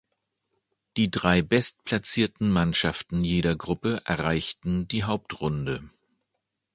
Die drei bestplatzierten Mannschaften jeder Gruppe erreichten die Hauptrunde.